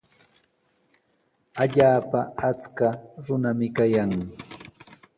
Allaapa achka runami kayan.